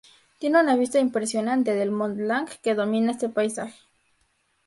Tiene una vista impresionante del Mont Blanc, que domina este paisaje.